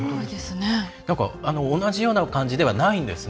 同じような感じではないんですね。